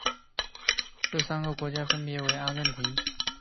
这三个国家分别为阿根廷。